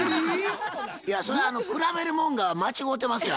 いやそれは比べるもんが間違うてますよ